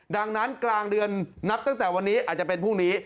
ดังนั้นกลางเดือนนับตั้งแต่วันนี้อาจจะเป็นพรุ่งนี้